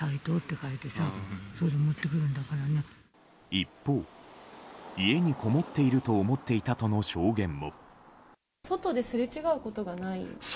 一方、家にこもっていると思っていたとの証言も。